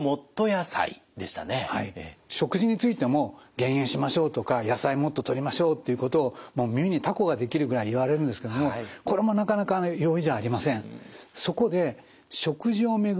食事についても減塩しましょうとか野菜もっととりましょうということをもう耳にたこが出来るぐらい言われるんですけどもこれもなかなかね容易じゃありません。